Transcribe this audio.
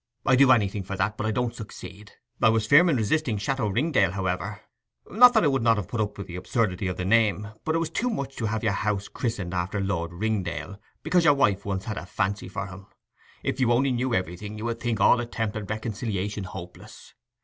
I do anything for that; but I don't succeed. I was firm in resisting "Château Ringdale," however; not that I would not have put up with the absurdity of the name, but it was too much to have your house christened after Lord Ringdale, because your wife once had a fancy for him. If you only knew everything, you would think all attempt at reconciliation hopeless.